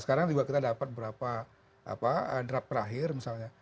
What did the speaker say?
sekarang juga kita dapat berapa draft terakhir misalnya